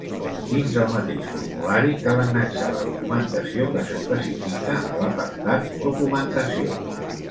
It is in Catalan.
Dins el mateix formulari cal annexar la documentació que s'especifica a l'apartat 'Documentació'.